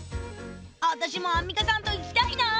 私もアンミカさんと行きたいなぁ！